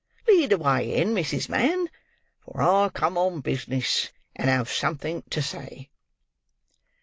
Lead the way in, Mrs. Mann, for I come on business, and have something to say."